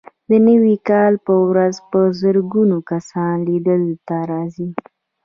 د نوي کال په ورځ په زرګونه کسان لیدو ته راځي.